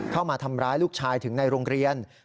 เข้ามาทำร้ายลูกชายถึงในโรงเรียน